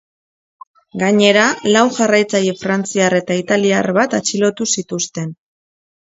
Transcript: Gainera, lau jarraitzaile frantziar eta italiar bat atxilotu zituzten.